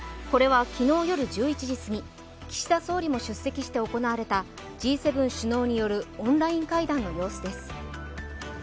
これは、昨日夜１１時すぎ岸田総理も出席し行われたＧ７首脳によるオンライン会談による様子です。